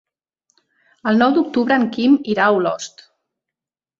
El nou d'octubre en Guim irà a Olost.